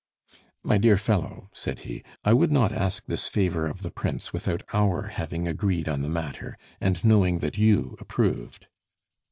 "My dear fellow," said he, "I would not ask this favor of the Prince without our having agreed on the matter, and knowing that you approved."